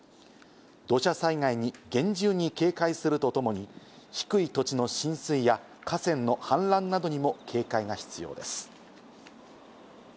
土砂災害に厳重に警戒するとともに低い土地の浸水や河川の氾濫などにも警戒が必要です。